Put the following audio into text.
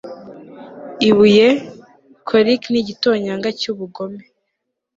ibuye, colic nigitonyanga cyubugome